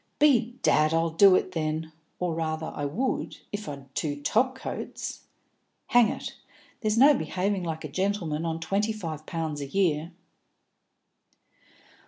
"Bedad, I'll do it then! Or, rather, I would, if I'd two top coats. Hang it! There's no behaving like a gentleman on twenty five pounds a year."